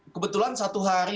kebetulan satu hari